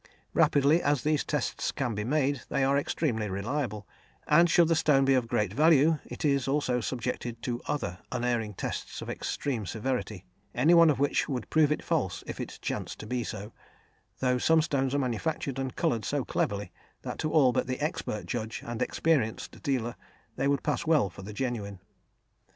Rapidly as these tests can be made, they are extremely reliable, and should the stone be of great value, it is also subjected to other unerring tests of extreme severity, any one of which would prove it false, if it chanced to be so, though some stones are manufactured and coloured so cleverly that to all but the expert judge and experienced dealer, they would pass well for the genuine.